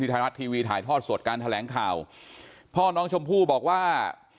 ไทยรัฐทีวีถ่ายทอดสดการแถลงข่าวพ่อน้องชมพู่บอกว่า